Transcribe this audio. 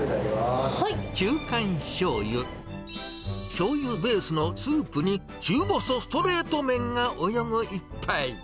中間醤油、しょうゆベースのスープに、中細ストレート麺が泳ぐ一杯。